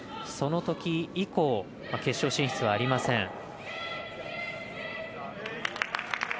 そのとき以降決勝進出はありません。